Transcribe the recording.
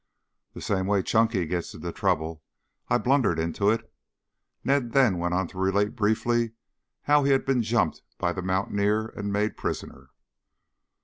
"The same way Chunky gets into trouble. I blundered into it." Ned then went on to relate briefly how he had been jumped on by the mountaineer and made prisoner.